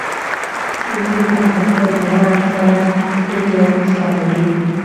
چیني او پسه دواړه سره څري او خوشاله دي.